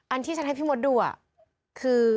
ที่ฉันให้พี่มดดูคือ